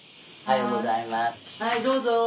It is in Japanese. はいどうぞ。